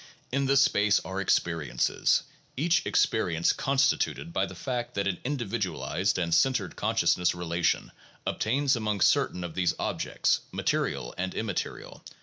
In this space are experiences, each experience constituted by the fact that an individualized and centered consciousness relation obtains among certain of these objects, material and immaterial.